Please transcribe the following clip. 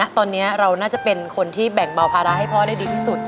ตอนนี้เราน่าจะเป็นคนที่แบ่งเบาภาระให้พ่อได้ดีที่สุด